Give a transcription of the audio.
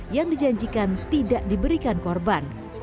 yang dijanjikan tidak diberikan korban